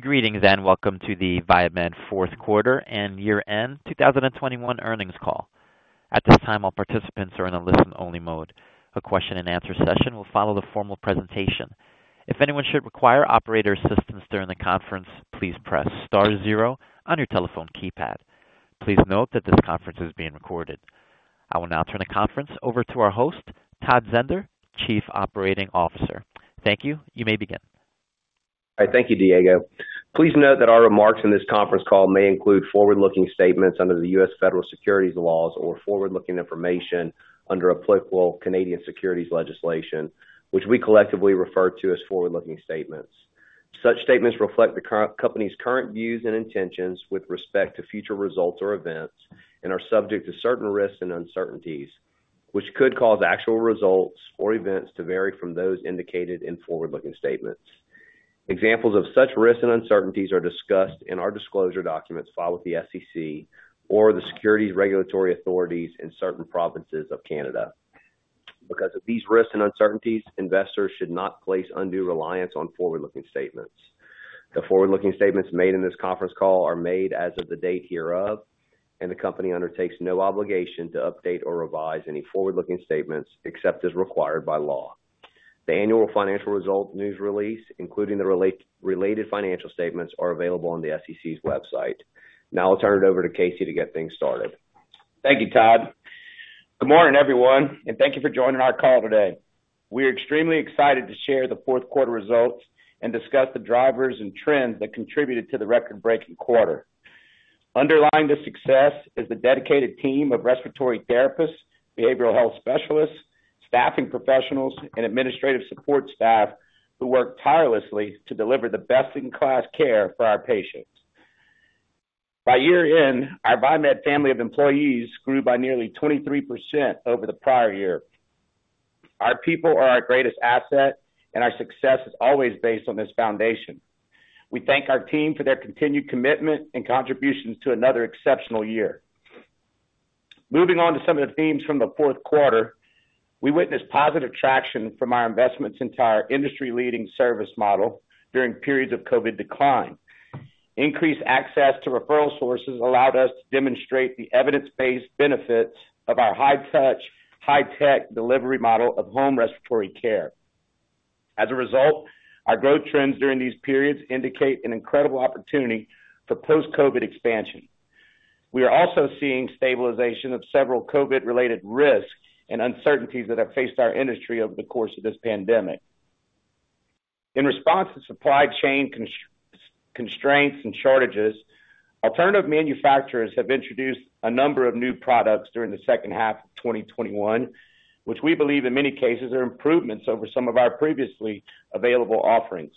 Greetings, and welcome to the VieMed Q4 and year-end 2021 Earnings Call. At this time, all participants are in a listen-only mode. A question-and-answer session will follow the formal presentation. If anyone should require operator assistance during the conference, please press star zero on your telephone keypad. Please note that this conference is being recorded. I will now turn the conference over to our host, Todd Zehnder, Chief Operating Officer. Thank you. You may begin. All right. Thank you, Diego. Please note that our remarks in this conference call may include forward-looking statements under the U.S. Federal Securities Laws or forward-looking information under applicable Canadian securities legislation, which we collectively refer to as forward-looking statements. Such statements reflect the company's current views and intentions with respect to future results or events and are subject to certain risks and uncertainties, which could cause actual results or events to vary from those indicated in forward-looking statements. Examples of such risks and uncertainties are discussed in our disclosure documents filed with the SEC or the securities regulatory authorities in certain provinces of Canada. Because of these risks and uncertainties, investors should not place undue reliance on forward-looking statements. The forward-looking statements made in this conference call are made as of the date hereof, and the company undertakes no obligation to update or revise any forward-looking statements except as required by law. The annual financial results news release, including the related financial statements, are available on the SEC's website. Now I'll turn it over to Casey to get things started. Thank you, Todd. Good morning, everyone, and thank you for joining our call today. We're extremely excited to share the Q4 results and discuss the drivers and trends that contributed to the record-breaking quarter. Underlying this success is the dedicated team of respiratory therapists, behavioral health specialists, staffing professionals, and administrative support staff who work tirelessly to deliver the best-in-class care for our patients. By year-end, our VieMed family of employees grew by nearly 23% over the prior year. Our people are our greatest asset, and our success is always based on this foundation. We thank our team for their continued commitment and contributions to another exceptional year. Moving on to some of the themes from the Q4, we witnessed positive traction from our investments into our industry-leading service model during periods of COVID decline. Increased access to referral sources allowed us to demonstrate the evidence-based benefits of our high-touch, high-tech delivery model of home respiratory care. As a result, our growth trends during these periods indicate an incredible opportunity for post-COVID expansion. We are also seeing stabilization of several COVID-related risks and uncertainties that have faced our industry over the course of this pandemic. In response to supply chain constraints and shortages, alternative manufacturers have introduced a number of new products during the second half of 2021, which we believe in many cases are improvements over some of our previously available offerings.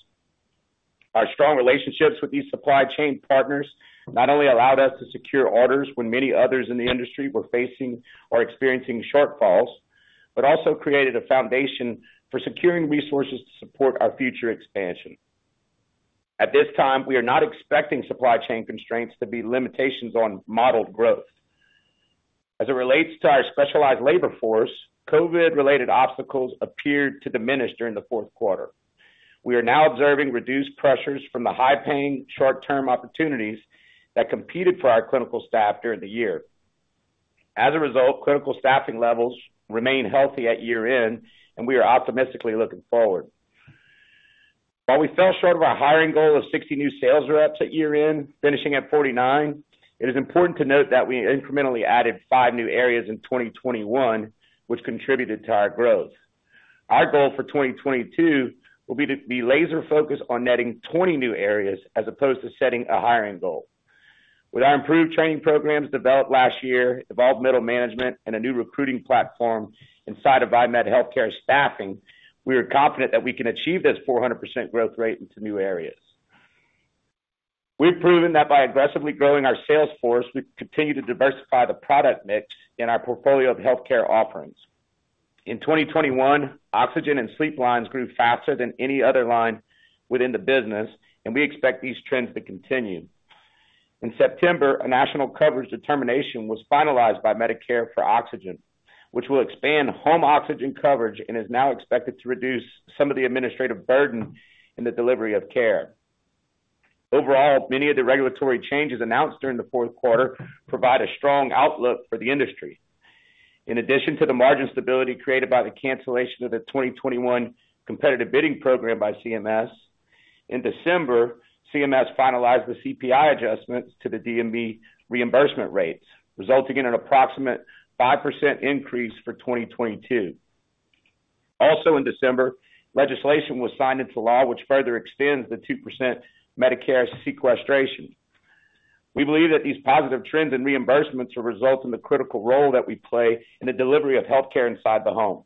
Our strong relationships with these supply chain partners not only allowed us to secure orders when many others in the industry were facing or experiencing shortfalls but also created a foundation for securing resources to support our future expansion. At this time, we are not expecting supply chain constraints to be limitations on modeled growth. As it relates to our specialized labor force, COVID-related obstacles appeared to diminish during the Q4. We are now observing reduced pressures from the high-paying short-term opportunities that competed for our clinical staff during the year. As a result, clinical staffing levels remain healthy at year-end, and we are optimistically looking forward. While we fell short of our hiring goal of 60 new sales reps at year-end, finishing at 49, it is important to note that we incrementally added five new areas in 2021, which contributed to our growth. Our goal for 2022 will be to be laser-focused on netting 20 new areas as opposed to setting a hiring goal. With our improved training programs developed last year, evolved middle management and a new recruiting platform inside of VieMed Healthcare Staffing, we are confident that we can achieve this 400% growth rate into new areas. We've proven that by aggressively growing our sales force, we've continued to diversify the product mix in our portfolio of healthcare offerings. In 2021, oxygen and sleep lines grew faster than any other line within the business, and we expect these trends to continue. In September, a National Coverage Determination was finalized by Medicare for oxygen, which will expand home oxygen coverage and is now expected to reduce some of the administrative burden in the delivery of care. Overall, many of the regulatory changes announced during the Q4 provide a strong outlook for the industry. In addition to the margin stability created by the cancellation of the 2021 Competitive Bidding Program by CMS, in December, CMS finalized the CPI adjustments to the DME reimbursement rates, resulting in an approximate 5% increase for 2022. Also in December, legislation was signed into law which further extends the 2% Medicare sequestration. We believe that these positive trends in reimbursements will result in the critical role that we play in the delivery of healthcare inside the home.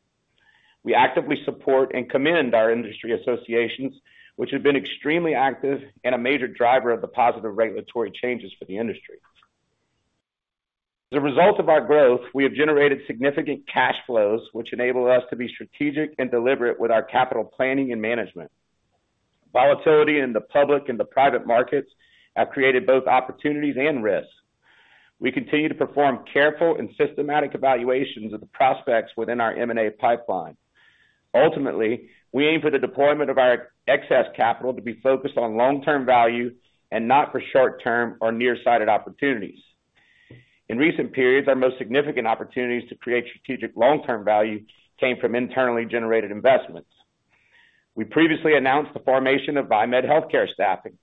We actively support and commend our industry associations, which have been extremely active and a major driver of the positive regulatory changes for the industry. As a result of our growth, we have generated significant cash flows, which enable us to be strategic and deliberate with our capital planning and management. Volatility in the public and the private markets have created both opportunities and risks. We continue to perform careful and systematic evaluations of the prospects within our M&A pipeline. Ultimately, we aim for the deployment of our excess capital to be focused on long-term value and not for short-term or near-sighted opportunities. In recent periods, our most significant opportunities to create strategic long-term value came from internally generated investments. We previously announced the formation of VieMed Healthcare Staffing,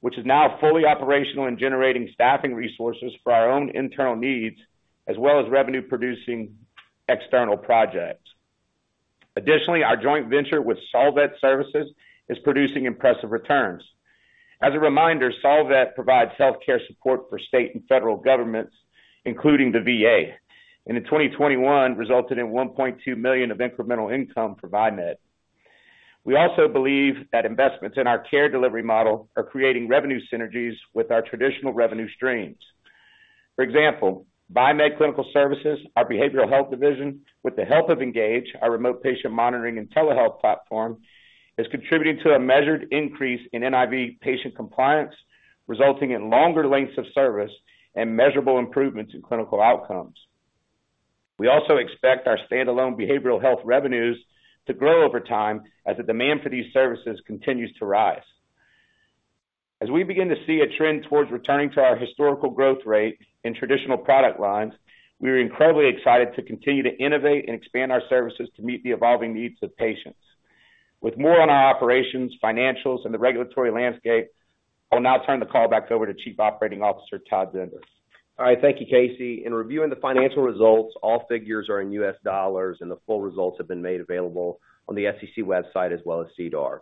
which is now fully operational in generating staffing resources for our own internal needs, as well as revenue-producing external projects. Additionally, our joint venture with SolvIT Services is producing impressive returns. As a reminder, Solvet provides healthcare support for state and federal governments, including the VA. In 2021, Solvet resulted in $1.2 million of incremental income for VieMed. We also believe that investments in our care delivery model are creating revenue synergies with our traditional revenue streams. For example, VieMed Clinical Services, our behavioral health division, with the help of Engage, our remote patient monitoring and telehealth platform, is contributing to a measured increase in NIV patient compliance, resulting in longer lengths of service and measurable improvements in clinical outcomes. We also expect our standalone behavioral health revenues to grow over time as the demand for these services continues to rise. As we begin to see a trend towards returning to our historical growth rate in traditional product lines, we are incredibly excited to continue to innovate and expand our services to meet the evolving needs of patients. With more on our operations, financials, and the regulatory landscape, I will now turn the call back over to Chief Operating Officer Todd Zehnder. All right. Thank you, Casey. In reviewing the financial results, all figures are in US dollars, and the full results have been made available on the sec website as well as SEDAR.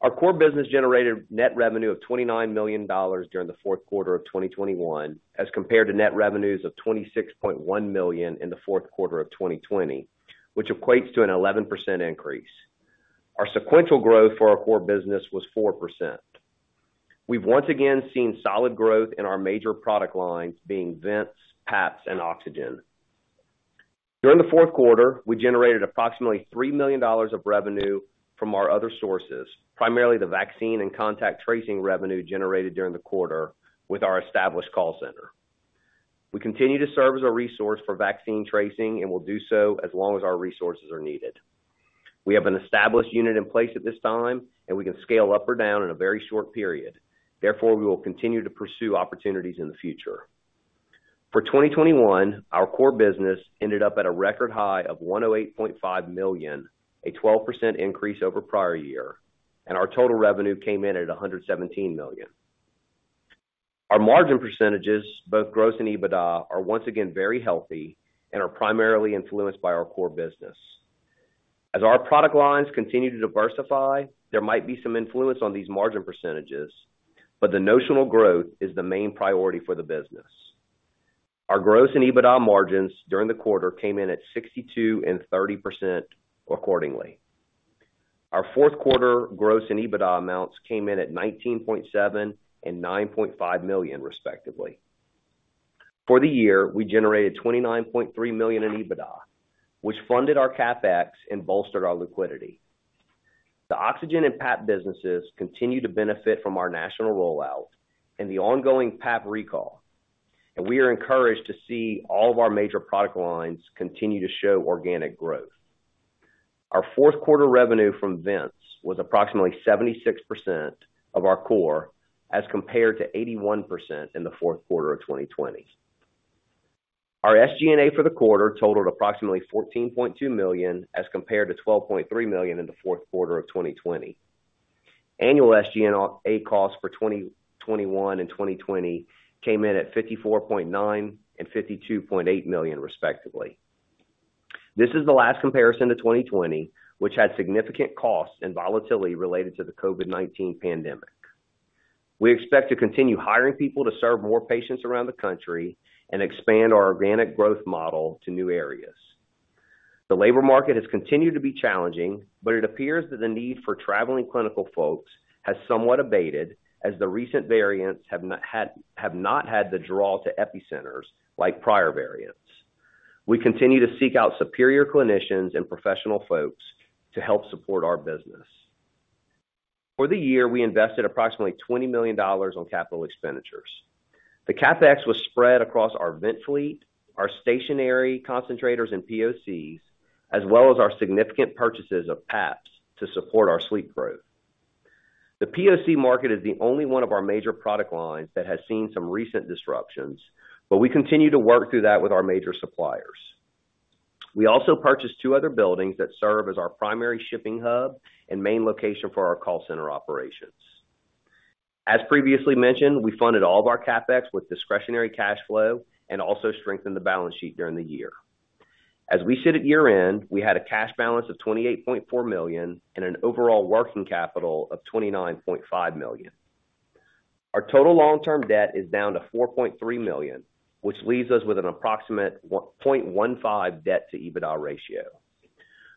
Our core business generated net revenue of $29 million during the Q4 of 2021, as compared to net revenues of $26.1 million in the Q4 of 2020, which equates to an 11% increase. Our sequential growth for our core business was 4%. We've once again seen solid growth in our major product lines being vents, PAPs, and oxygen. During the Q4, we generated approximately $3 million of revenue from our other sources, primarily the vaccine and contact tracing revenue generated during the quarter with our established call center. We continue to serve as a resource for vaccine tracing and will do so as long as our resources are needed. We have an established unit in place at this time, and we can scale up or down in a very short period. Therefore, we will continue to pursue opportunities in the future. For 2021, our core business ended up at a record high of $108.5 million, a 12% increase over prior year, and our total revenue came in at $117 million. Our margin percentages, both gross and EBITDA, are once again very healthy and are primarily influenced by our core business. As our product lines continue to diversify, there might be some influence on these margin percentages, but the nominal growth is the main priority for the business. Our gross and EBITDA margins during the quarter came in at 62% and 30%, respectively. Our Q4 gross and EBITDA amounts came in at $19.7 million and $9.5 million, respectively. For the year, we generated $29.3 million in EBITDA, which funded our CapEx and bolstered our liquidity. The oxygen and PAP businesses continue to benefit from our national rollout and the ongoing PAP recall, and we are encouraged to see all of our major product lines continue to show organic growth. Our Q4 revenue from vents was approximately 76% of our core, as compared to 81% in the Q4 of 2020. Our SG&A for the quarter totaled approximately $14.2 million, as compared to $12.3 million in the Q4 of 2020. Annual SG&A costs for 2021 and 2020 came in at $54.9 million and $52.8 million, respectively. This is the last comparison to 2020, which had significant costs and volatility related to the COVID-19 pandemic. We expect to continue hiring people to serve more patients around the country and expand our organic growth model to new areas. The labor market has continued to be challenging, but it appears that the need for traveling clinical folks has somewhat abated as the recent variants have not had the draw to epicenters like prior variants. We continue to seek out superior clinicians and professional folks to help support our business. For the year, we invested approximately $20 million on capital expenditures. The CapEx was spread across our vent fleet, our stationary concentrators and POCs, as well as our significant purchases of PAPs to support our sleep growth. The POC market is the only one of our major product lines that has seen some recent disruptions, but we continue to work through that with our major suppliers. We also purchased two other buildings that serve as our primary shipping hub and main location for our call center operations. As previously mentioned, we funded all of our CapEx with discretionary cash flow and also strengthened the balance sheet during the year. As we sit at year-end, we had a cash balance of $28.4 million and an overall working capital of $29.5 million. Our total long-term debt is down to $4.3 million, which leaves us with an approximate 0.15 debt to EBITDA ratio.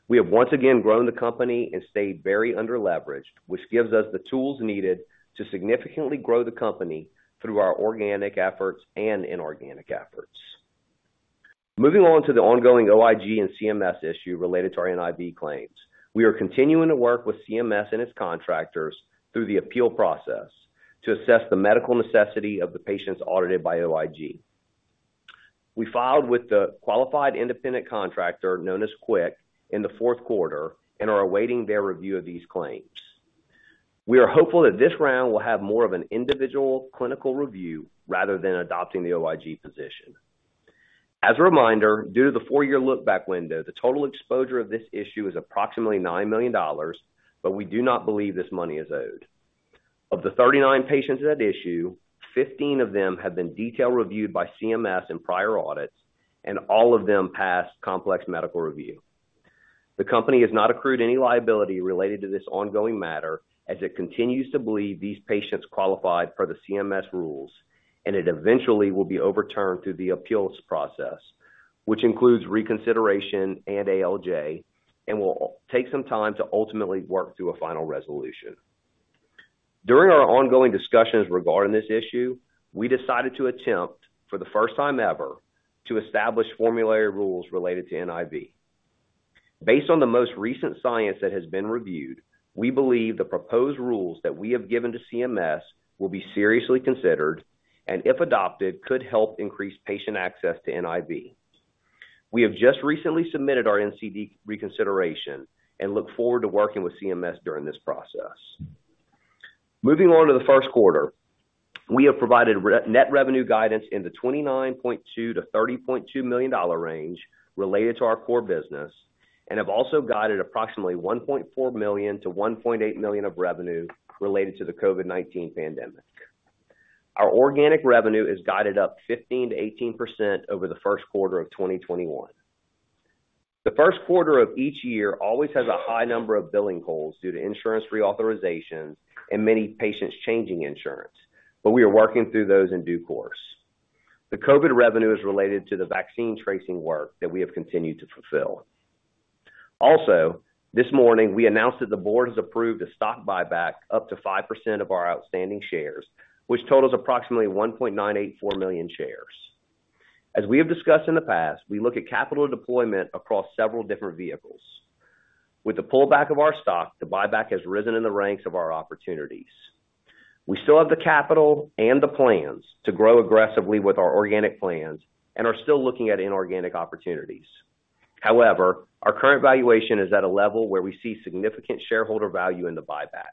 We have once again grown the company and stayed very under-leveraged, which gives us the tools needed to significantly grow the company through our organic efforts and inorganic efforts. Moving on to the ongoing OIG and CMS issue related to our NIV claims. We are continuing to work with CMS and its contractors through the appeal process to assess the medical necessity of the patients audited by OIG. We filed with the Qualified Independent Contractor, known as QIC, in the Q4 and are awaiting their review of these claims. We are hopeful that this round will have more of an individual clinical review rather than adopting the OIG position. As a reminder, due to the four-year look-back window, the total exposure of this issue is approximately $9 million, but we do not believe this money is owed. Of the 39 patients at issue, 15 of them have been detailed reviewed by CMS in prior audits, and all of them passed complex medical review. The company has not accrued any liability related to this ongoing matter as it continues to believe these patients qualified per the CMS rules, and it eventually will be overturned through the appeals process, which includes reconsideration and ALJ, and will take some time to ultimately work to a final resolution. During our ongoing discussions regarding this issue, we decided to attempt, for the first time ever, to establish formulary rules related to NIV. Based on the most recent science that has been reviewed, we believe the proposed rules that we have given to CMS will be seriously considered, and if adopted, could help increase patient access to NIV. We have just recently submitted our NCD reconsideration and look forward to working with CMS during this process. Moving on to the Q1, we have provided net revenue guidance in the $29.2 million-$30.2 million range related to our core business and have also guided approximately $1.4 million-$1.8 million of revenue related to the COVID-19 pandemic. Our organic revenue is guided up 15%-18% over the Q1 of 2021. The Q1 of each year always has a high number of billing calls due to insurance reauthorizations and many patients' changing insurance, but we are working through those in due course. The COVID revenue is related to the vaccine tracing work that we have continued to fulfill. This morning, we announced that the board has approved a stock buyback up to 5% of our outstanding shares, which totals approximately 1.984 million shares. As we have discussed in the past, we look at capital deployment across several different vehicles. With the pullback of our stock, the buyback has risen in the ranks of our opportunities. We still have the capital and the plans to grow aggressively with our organic plans and are still looking at inorganic opportunities. However, our current valuation is at a level where we see significant shareholder value in the buyback.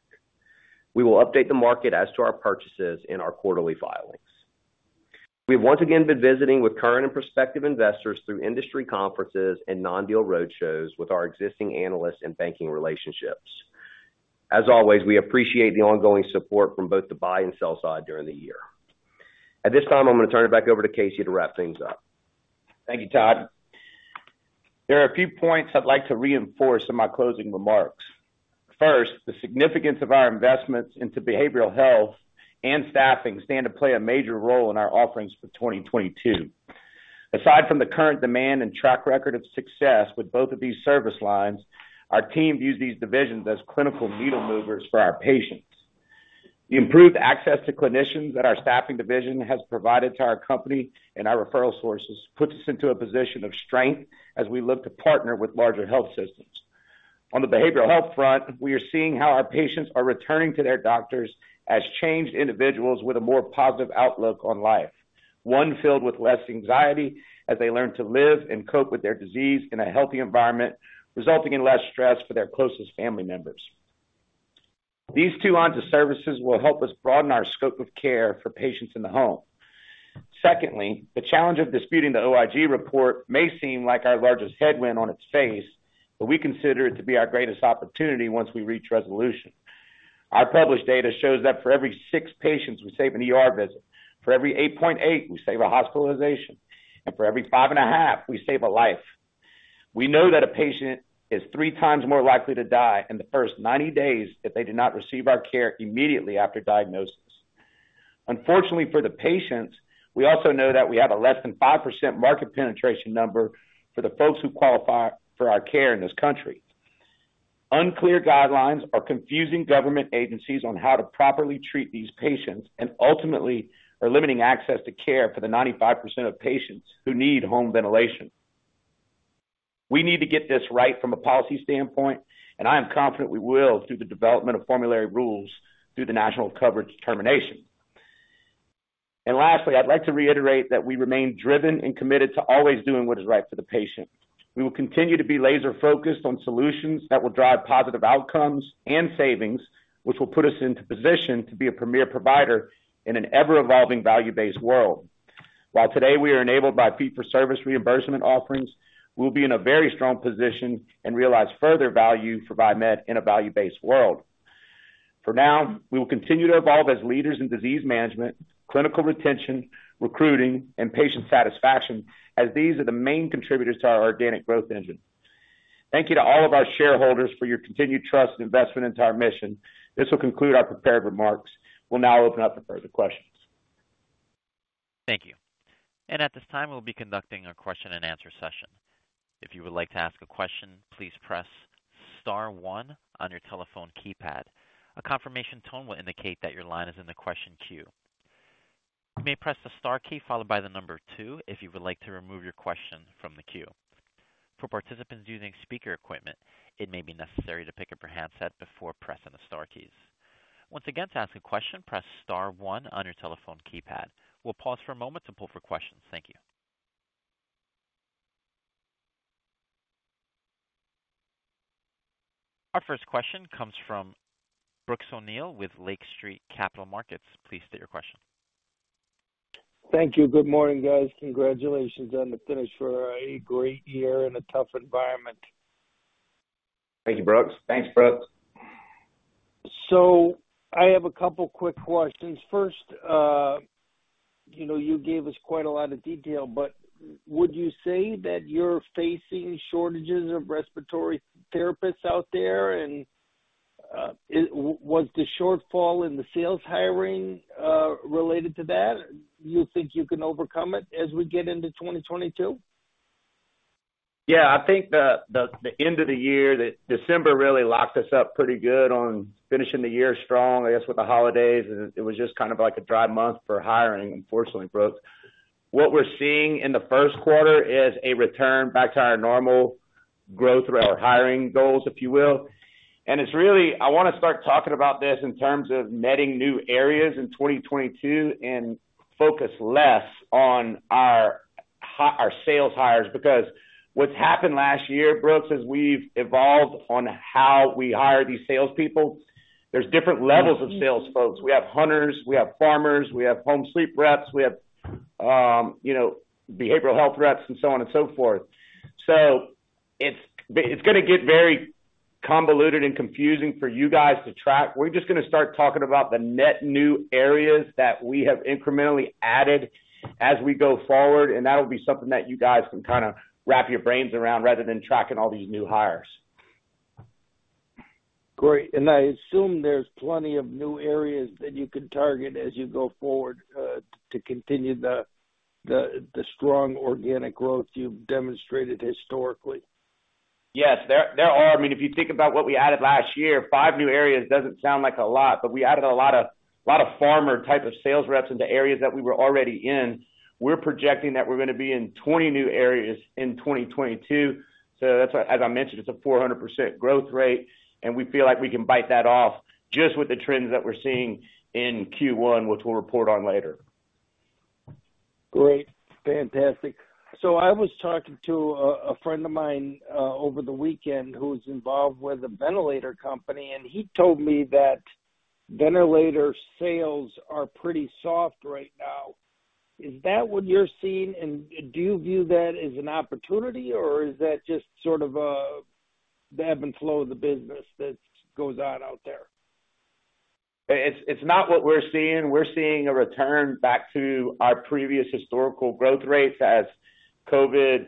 We will update the market as to our purchases in our quarterly filings. We've once again been visiting with current and prospective investors through industry conferences and non-deal roadshows with our existing analysts and banking relationships. As always, we appreciate the ongoing support from both the buy and sell side during the year. At this time, I'm going to turn it back over to Casey to wrap things up. Thank you, Todd. There are a few points I'd like to reinforce in my closing remarks. First, the significance of our investments into behavioral health and staffing stand to play a major role in our offerings for 2022. Aside from the current demand and track record of success with both of these service lines, our team views these divisions as clinical needle movers for our patients. The improved access to clinicians that our staffing division has provided to our company and our referral sources puts us into a position of strength as we look to partner with larger health systems. On the behavioral health front, we are seeing how our patients are returning to their doctors as changed individuals with a more positive outlook on life, one filled with less anxiety as they learn to live and cope with their disease in a healthy environment, resulting in less stress for their closest family members. These two lines of services will help us broaden our scope of care for patients in the home. Secondly, the challenge of disputing the OIG report may seem like our largest headwind on its face, but we consider it to be our greatest opportunity once we reach resolution. Our published data shows that for every six patients, we save an ER visit, for every 8.8, we save a hospitalization, and for every 5.5, we save a life. We know that a patient is three times more likely to die in the first 90 days if they do not receive our care immediately after diagnosis. Unfortunately for the patients, we also know that we have a less than 5% market penetration number for the folks who qualify for our care in this country. Unclear guidelines are confusing government agencies on how to properly treat these patients and ultimately are limiting access to care for the 95% of patients who need home ventilation. We need to get this right from a policy standpoint, and I am confident we will through the development of formulary rules through the National Coverage Determination. Lastly, I'd like to reiterate that we remain driven and committed to always doing what is right for the patient. We will continue to be laser-focused on solutions that will drive positive outcomes and savings, which will put us into position to be a premier provider in an ever-evolving value-based world. While today we are enabled by fee-for-service reimbursement offerings, we'll be in a very strong position and realize further value for VieMed in a value-based world. For now, we will continue to evolve as leaders in disease management, clinical retention, recruiting, and patient satisfaction as these are the main contributors to our organic growth engine. Thank you to all of our shareholders for your continued trust and investment into our mission. This will conclude our prepared remarks. We'll now open up for further questions. Thank you. At this time, we'll be conducting a question-and-answer session. If you would like to ask a question, please press star one on your telephone keypad. A confirmation tone will indicate that your line is in the question queue. You may press the star key followed by the number two if you would like to remove your question from the queue. For participants using speaker equipment, it may be necessary to pick up your handset before pressing the star keys. Once again, to ask a question, press star one on your telephone keypad. We'll pause for a moment to pull for questions. Thank you. Our first question comes from Brooks O'Neil with Lake Street Capital Markets. Please state your question. Thank you. Good morning, guys. Congratulations on the finish for a great year in a tough environment. Thank you, Brooks. Thanks, Brooks. I have a couple quick questions. First, you know, you gave us quite a lot of detail, but would you say that you're facing shortages of respiratory therapists out there? Was the shortfall in the sales hiring related to that? Do you think you can overcome it as we get into 2022? Yeah, I think the end of the year, December really locked us up pretty good on finishing the year strong, I guess, with the holidays, and it was just kind of like a dry month for hiring, unfortunately, Brooks. What we're seeing in the Q1 is a return back to our normal growth or our hiring goals, if you will. It's really. I wanna start talking about this in terms of netting new areas in 2022 and focus less on our sales hires. Because what's happened last year, Brooks, is we've evolved on how we hire these salespeople. There are different levels of sales folks. We have hunters, we have farmers, we have home sleep reps, we have behavioral health reps and so on and so forth. It's gonna get very convoluted and confusing for you guys to track. We're just gonna start talking about the net new areas that we have incrementally added as we go forward, and that'll be something that you guys can kind of wrap your brains around rather than tracking all these new hires. Great. I assume there's plenty of new areas that you can target as you go forward, to continue the strong organic growth you've demonstrated historically. Yes. There are. I mean, if you think about what we added last year, five new areas doesn't sound like a lot, but we added a lot of former type of sales reps into areas that we were already in. We're projecting that we're gonna be in 20 new areas in 2022. That's why, as I mentioned, it's a 400% growth rate, and we feel like we can bite that off just with the trends that we're seeing in Q1, which we'll report on later. Great. Fantastic. I was talking to a friend of mine over the weekend who's involved with a ventilator company, and he told me that ventilator sales are pretty soft right now. Is that what you're seeing? And do you view that as an opportunity, or is that just sort of an ebb and flow of the business that goes on out there? It's not what we're seeing. We're seeing a return back to our previous historical growth rates as COVID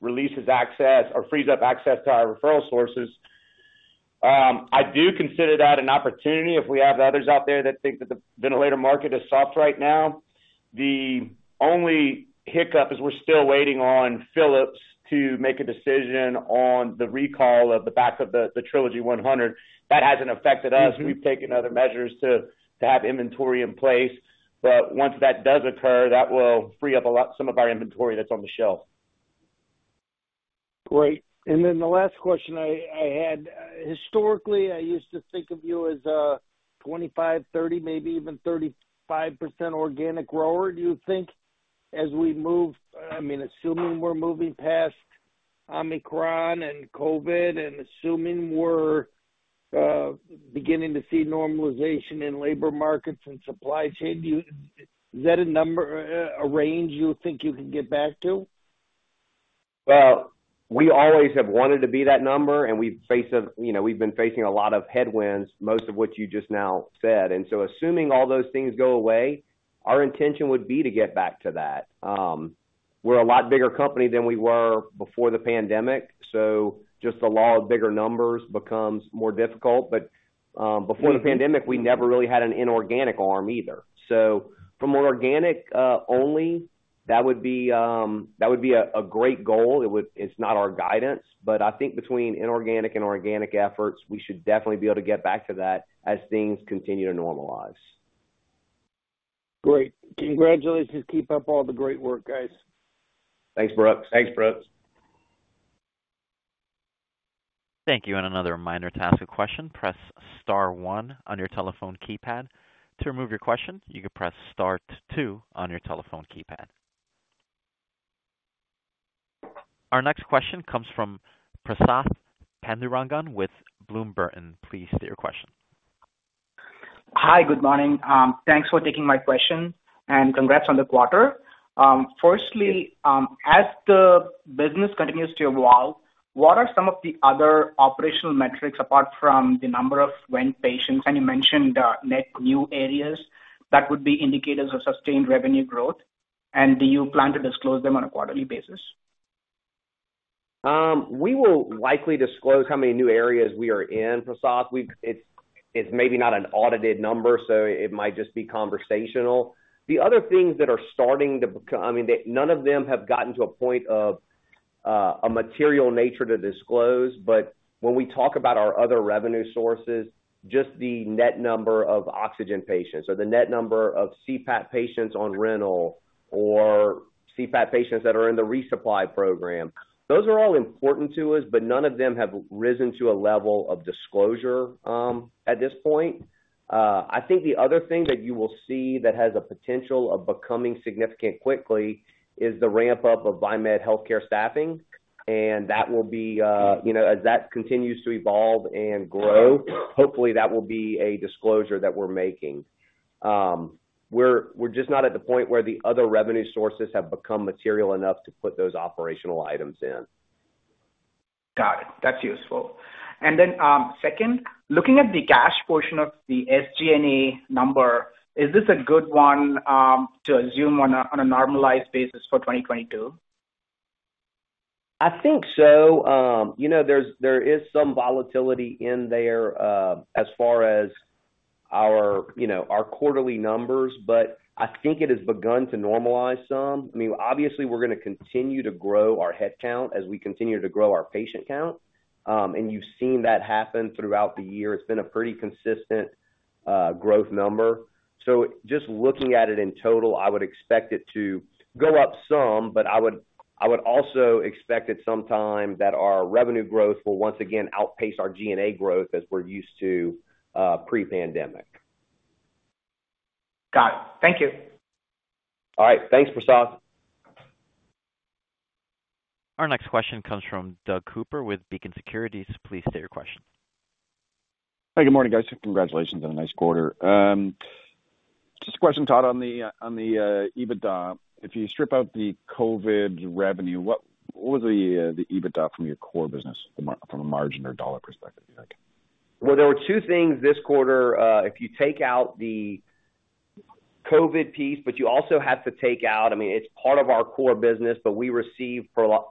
releases access or frees up access to our referral sources. I do consider that an opportunity if we have others out there that think that the ventilator market is soft right now. The only hiccup is we're still waiting on Philips to make a decision on the recall of the Trilogy 100. That hasn't affected us. Mm-hmm. We've taken other measures to have inventory in place. Once that does occur, that will free up some of our inventory that's on the shelf. Great. Then the last question I had. Historically, I used to think of you as a 25%, 30%, maybe even 35% organic grower. Do you think as we move, I mean, assuming we're moving past Omicron and COVID and assuming we're beginning to see normalization in labor markets and supply chain, do you is that a number, a range you think you can get back to? Well, we always have wanted to be that number, and we face a, you know, we've been facing a lot of headwinds, most of which you just now said. Assuming all those things go away, our intention would be to get back to that. We're a lot bigger company than we were before the pandemic, so just the law of bigger numbers becomes more difficult. Before the pandemic, we never really had an inorganic arm either. From organic only, that would be a great goal. It's not our guidance. I think between inorganic and organic efforts, we should definitely be able to get back to that as things continue to normalize. Great. Congratulations. Keep up all the great work, guys. Thanks, Brooks. Thanks, Brooks. Thank you. Another reminder to ask a question, press star one on your telephone keypad. To remove your question, you can press star two on your telephone keypad. Our next question comes from Prasath Pandurangan with Bloom Burton. Please state your question. Hi. Good morning. Thanks for taking my question, and congrats on the quarter. Firstly, as the business continues to evolve, what are some of the other operational metrics, apart from the number of vent patients, and you mentioned, net new areas that would be indicators of sustained revenue growth, and do you plan to disclose them on a quarterly basis? We will likely disclose how many new areas we are in, Prasath. It's maybe not an audited number, so it might just be conversational. The other things that are starting to become I mean, none of them have gotten to a point of a material nature to disclose, but when we talk about our other revenue sources, just the net number of oxygen patients or the net number of CPAP patients on rental or CPAP patients that are in the resupply program, those are all important to us, but none of them have risen to a level of disclosure at this point. I think the other thing that you will see that has a potential of becoming significant quickly is the ramp-up of VieMed Healthcare Staffing, and that will be you know, as that continues to evolve and grow, hopefully that will be a disclosure that we're making. We're just not at the point where the other revenue sources have become material enough to put those operational items in. Got it. That's useful. Second, looking at the cash portion of the SG&A number, is this a good one to assume on a normalized basis for 2022? I think so. You know, there is some volatility in there as far as our quarterly numbers, but I think it has begun to normalize some. I mean, obviously, we're gonna continue to grow our headcount as we continue to grow our patient count. You've seen that happen throughout the year. It's been a pretty consistent growth number. Just looking at it in total, I would expect it to go up some, but I would also expect at some time that our revenue growth will once again outpace our G&A growth as we're used to pre-pandemic. Got it. Thank you. All right. Thanks, Prasad. Our next question comes from Doug Cooper with Beacon Securities. Please state your question. Hey, good morning, guys. Congratulations on a nice quarter. Just a question, Todd, on the EBITDA. If you strip out the COVID revenue, what was the EBITDA from your core business from a margin or dollar perspective, do you think? Well, there were two things this quarter. If you take out the COVID piece, but you also have to take out I mean, it's part of our core business, but we received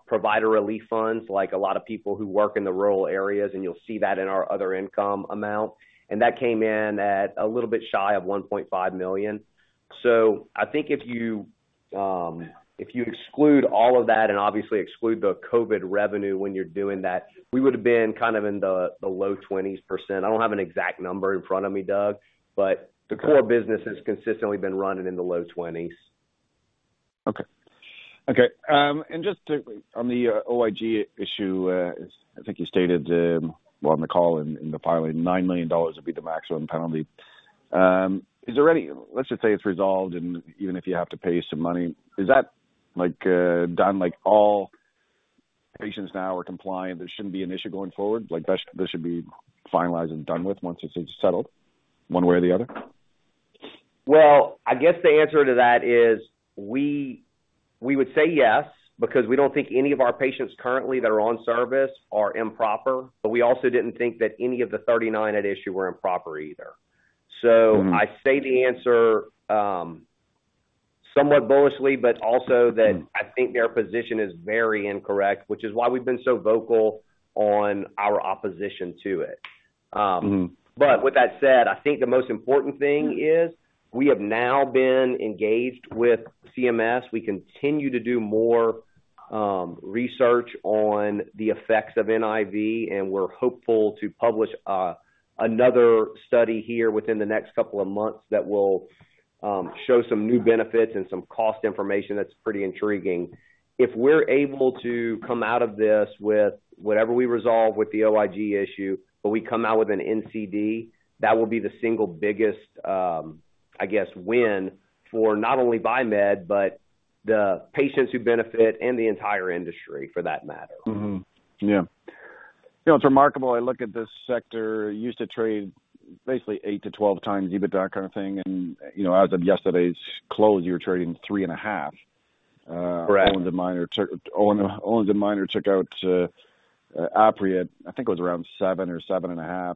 Provider Relief Funds like a lot of people who work in the rural areas, and you'll see that in our other income amount. That came in at a little bit shy of $1.5 million. I think if you exclude all of that and obviously exclude the COVID revenue when you're doing that, we would have been kind of in the low 20s%. I don't have an exact number in front of me, Doug, but the core business has consistently been running in the low 20s%. Okay. On the OIG issue, I think you stated, well, on the call and in the filing, $9 million would be the maximum penalty. Let's just say it's resolved and even if you have to pay some money, is that, like, done? Like, all patients now are compliant, there shouldn't be an issue going forward. Like, this should be finalized and done with once it's settled one way or the other? Well, I guess the answer to that is we would say yes, because we don't think any of our patients currently that are on service are improper, but we also didn't think that any of the 39 at issue were improper either. Mm-hmm. I say the answer, somewhat bullishly, but also that I think their position is very incorrect, which is why we've been so vocal on our opposition to it. Mm-hmm. With that said, I think the most important thing is we have now been engaged with CMS. We continue to do more research on the effects of NIV, and we're hopeful to publish another study here within the next couple of months that will show some new benefits and some cost information that's pretty intriguing. If we're able to come out of this with whatever we resolve with the OIG issue, but we come out with an NCD, that will be the single biggest, I guess, win for not only VieMed, but the patients who benefit and the entire industry, for that matter. You know, it's remarkable. I look at this sector. It used to trade basically eight to 12 times EBITDA kind of thing. You know, as of yesterday's close, you were trading 3.5. Correct. Owens & Minor took out Apria, I think it was around seven or 7.5,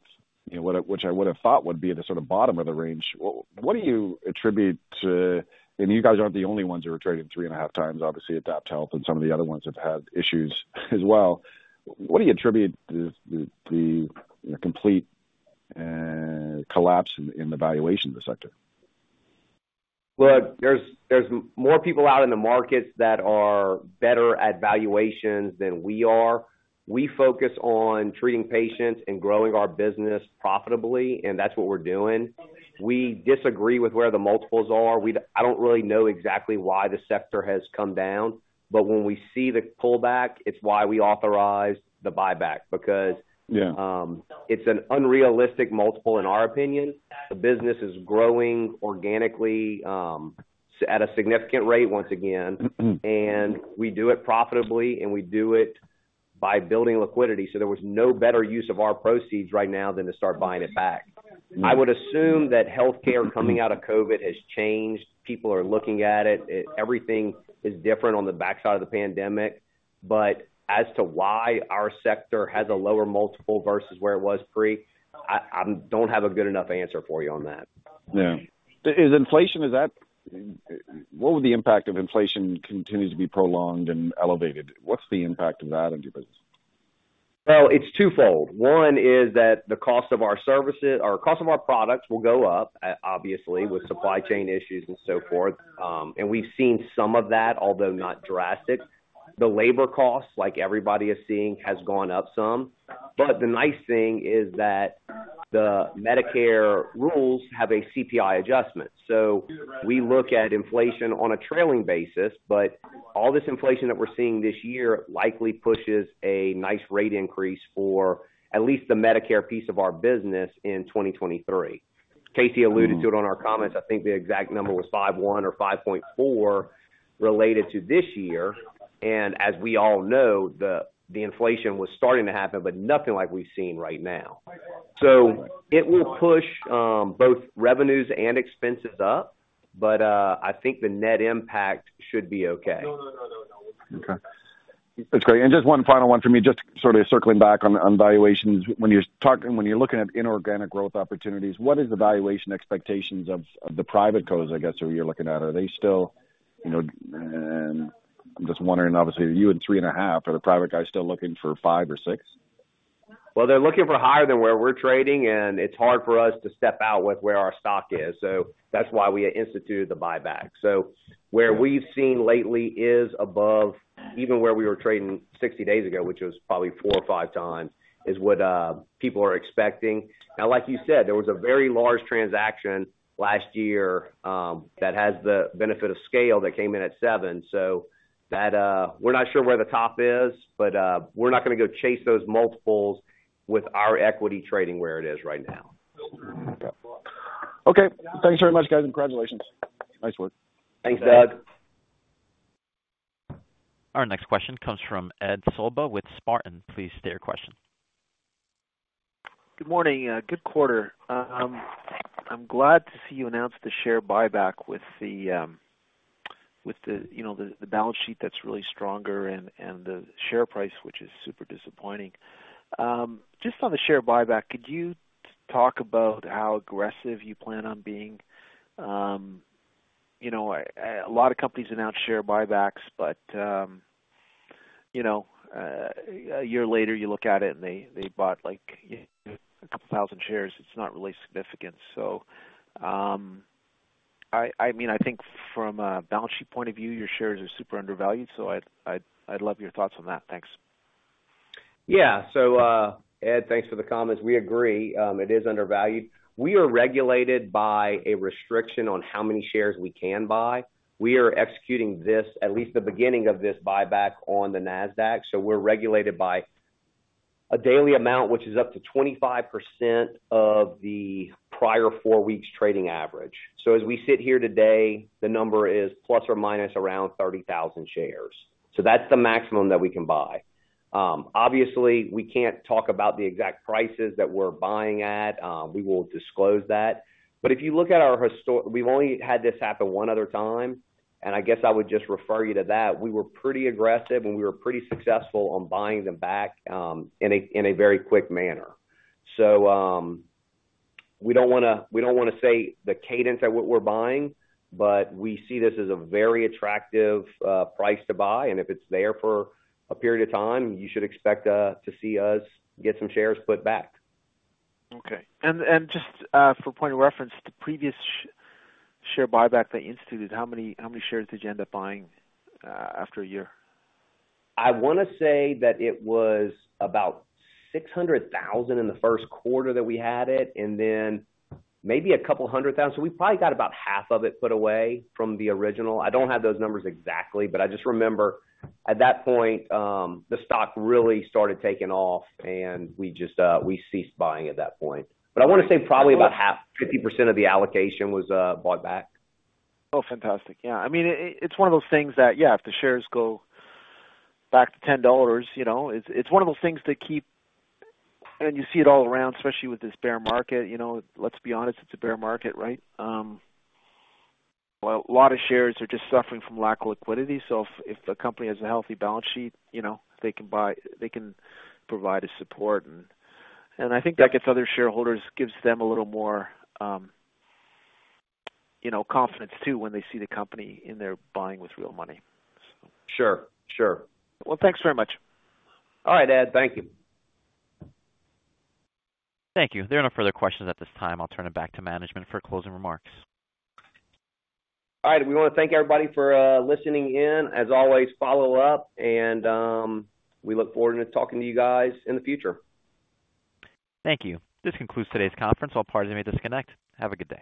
which I would have thought would be the sort of bottom of the range. What do you attribute to. You guys aren't the only ones who are trading 3.5 times, obviously, AdaptHealth and some of the other ones have had issues as well. What do you attribute the complete collapse in the valuation of the sector? Look, there's more people out in the markets that are better at valuations than we are. We focus on treating patients and growing our business profitably, and that's what we're doing. We disagree with where the multiples are. I don't really know exactly why the sector has come down, but when we see the pullback, it's why we authorized the buyback because Yeah It's an unrealistic multiple in our opinion. The business is growing organically at a significant rate once again. Mm-hmm. We do it profitably, and we do it by building liquidity. There was no better use of our proceeds right now than to start buying it back. Yeah. I would assume that healthcare coming out of COVID has changed. People are looking at it. Everything is different on the backside of the pandemic. As to why our sector has a lower multiple versus where it was pre, I don't have a good enough answer for you on that. Yeah. What would the impact be if inflation continues to be prolonged and elevated? What's the impact of that on your business? Well, it's twofold. One is that the cost of our services or cost of our products will go up, obviously with supply chain issues and so forth. We've seen some of that, although not drastic. The labor costs, like everybody is seeing, has gone up some. The nice thing is that the Medicare rules have a CPI adjustment. We look at inflation on a trailing basis. All this inflation that we're seeing this year likely pushes a nice rate increase for at least the Medicare piece of our business in 2023. Casey alluded to it on our comments. I think the exact number was 5.1 or 5.4 related to this year. As we all know, the inflation was starting to happen, but nothing like we've seen right now. It will push both revenues and expenses up, but I think the net impact should be okay. Okay. That's great. Just one final one for me, just sort of circling back on valuations. When you're looking at inorganic growth opportunities, what is the valuation expectations of the private comps, I guess, where you're looking at? Are they still, you know? I'm just wondering, obviously, you at 3.5. Are the private guys still looking for five or six? Well, they're looking for higher than where we're trading, and it's hard for us to step out with where our stock is. That's why we instituted the buyback. Where we've seen lately is above even where we were trading 60 days ago, which was probably 4x or 5x, is what people are expecting. Now, like you said, there was a very large transaction last year, that has the benefit of scale that came in at 7x. That, we're not sure where the top is, but we're not gonna go chase those multiples with our equity trading where it is right now. Okay. Thanks very much, guys. Congratulations. Nice work. Thanks, Doug. Our next question comes from Ed Sollbach with Spartan. Please state your question. Good morning. Good quarter. I'm glad to see you announced the share buyback with the you know the balance sheet that's really stronger and the share price, which is super disappointing. Just on the share buyback, could you talk about how aggressive you plan on being? You know, a lot of companies announce share buybacks, but you know, a year later, you look at it, and they bought like a couple thousand shares. It's not really significant. I mean, I think from a balance sheet point of view, your shares are super undervalued, so I'd love your thoughts on that. Thanks. Yeah. Ed, thanks for the comments. We agree, it is undervalued. We are regulated by a restriction on how many shares we can buy. We are executing this, at least the beginning of this buyback on the Nasdaq. We're regulated by a daily amount, which is up to 25% of the prior four weeks trading average. As we sit here today, the number is ± around 30,000 shares. That's the maximum that we can buy. Obviously, we can't talk about the exact prices that we're buying at. We will disclose that. We've only had this happen one other time, and I guess I would just refer you to that. We were pretty aggressive, and we were pretty successful on buying them back, in a very quick manner. We don't wanna say the cadence at what we're buying, but we see this as a very attractive price to buy. If it's there for a period of time, you should expect to see us get some shares put back. Okay. Just for point of reference, the previous share buyback that you instituted, how many shares did you end up buying after a year? I wanna say that it was about $600,000 in the Q1 that we had it, and then maybe a couple hundred thousand. We probably got about half of it put away from the original. I don't have those numbers exactly, but I just remember at that point the stock really started taking off, and we just ceased buying at that point. I wanna say probably about half, 50% of the allocation was bought back. Oh, fantastic. Yeah. I mean, it's one of those things that, yeah, if the shares go back to $10, you know, it's one of those things to keep. You see it all around, especially with this bear market. You know, let's be honest, it's a bear market, right? Well, a lot of shares are just suffering from lack of liquidity. So if a company has a healthy balance sheet, you know, they can provide a support. I think that gives other shareholders a little more, you know, confidence too, when they see the company in there buying with real money. So. Sure, sure. Well, thanks very much. All right, Ed. Thank you. Thank you. There are no further questions at this time. I'll turn it back to management for closing remarks. All right. We wanna thank everybody for listening in. As always, follow up, and we look forward to talking to you guys in the future. Thank you. This concludes today's conference. All parties may disconnect. Have a good day.